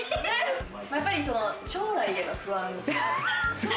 やっぱり将来への不安。